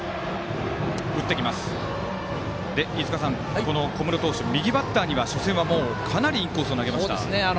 飯塚さん、小室投手は右バッターには初戦はかなりインコースを投げました。